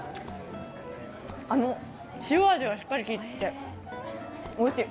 塩味がしっかり効いていておいしい。